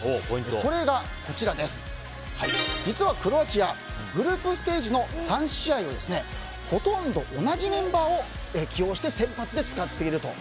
それが、実はクロアチアグループステージの３試合をほとんど同じメンバーを起用して先発で使っていると。